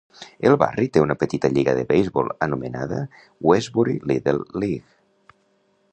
El barri té una petit lliga de beisbol anomenada "Westbury Little League".